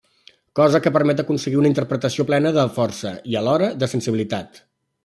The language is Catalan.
Cosa que permet aconseguir una interpretació plena de força, i alhora, de sensibilitat.